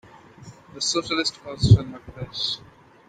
The socialist cause shall not perish.